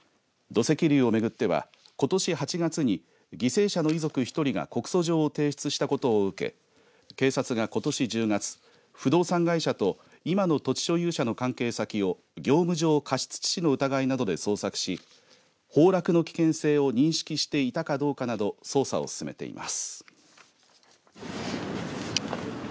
土石流をめぐってはことし８月に犠牲者の遺族１人が告訴状を提出したことを受け警察がことし１０月不動産会社と今の土地所有者の関係先を業務上過失致死の疑いなどで捜索し崩落の危険性を認識していたかどうかなど捜査を進めています。